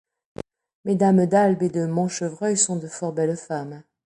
Mesdames D’Albe et de Montchevreuil sont de fort belles femmes.